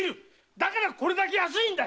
だからこれだけ安いんだ！